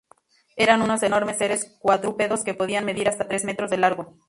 Eran unos enormes seres cuadrúpedos que podían medir hasta tres metros de largo.